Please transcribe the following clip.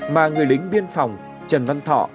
mà người lính biên phòng trần văn thọ